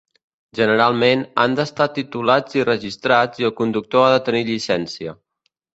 Generalment, han d'estar titulats i registrats, i el conductor ha de tenir llicencia.